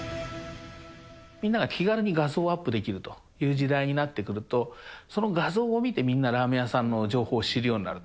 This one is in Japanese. みんなが気軽に画像をアップできるという時代になってくると、その画像を見て、みんなラーメン屋さんの情報を知るようになると。